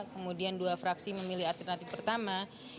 kemudian dua fraksi memilih alternatif pertama